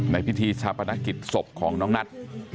ในพิธีสรรพนักกิจศพของน้องนัท